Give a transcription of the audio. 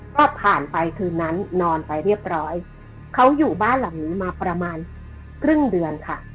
ก็ผ่านไปคืนนั้นนอนไปเรียบร้อยเขาอยู่บ้านหลังนี้มาประมาณครึ่งเดือนค่ะ